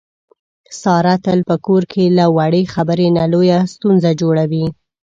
ساره تل په کور کې له وړې خبرې نه لویه ستونزه جوړي.